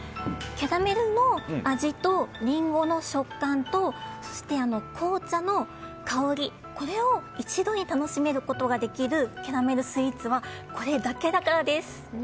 キャラメルの味とリンゴの食感とそして紅茶の香り、これを一度に楽しめることができるキャラメルスイーツはこれだけだからです。